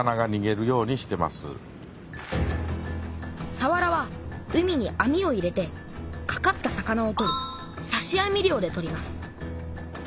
さわらは海に網を入れてかかった魚を取るさし網漁で取ります